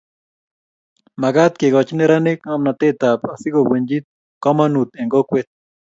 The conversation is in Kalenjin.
Magat kegoch neranik ngomnatetab asikobunchit komonut eng kokwet